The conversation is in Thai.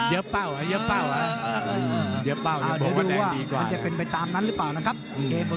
เยอะเป้าเหรอเยอะเป้าเหรอ